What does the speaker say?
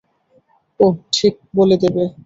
ও ঠিক বলে দেবে।